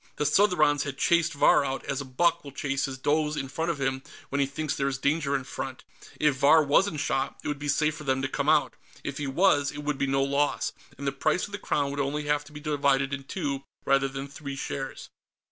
The Southrons had chased Vahr out, as a buck will chase his does in front of him when he thinks there is danger in front. If Vahr wasn't shot, it would be safe for them to come out. If he was, it would be no loss, and the price of the Crown would only have to be divided in two, rather than three, shares.